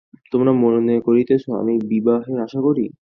তোমরা মনে করিতেছ, আমি বিবাহের আশা করি?